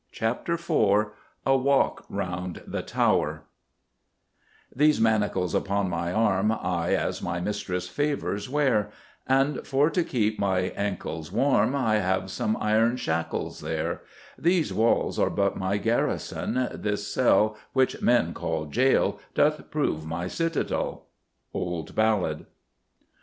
CHAPTER IV A WALK ROUND THE TOWER These manacles upon my arm I, as my mistress' favours, wear; And for to keep my ancles warm, I have some iron shackles there; These walls are but my garrison; this cell, Which men call jail, doth prove my citadel. _Old Ballad.